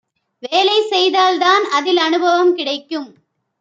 வேலை செய்தால் தான் அதில் அனுபவம் கிடைக்கும்.